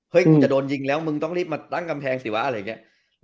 กูจะโดนยิงแล้วมึงต้องรีบมาตั้งกำแพงสิวะอะไรอย่างนี้